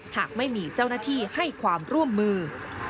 หากไม่มีเจ้าหน้าที่ให้ความร่วมมือ